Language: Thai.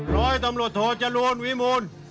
ร้อยตำรวจโทจรูลวิมูล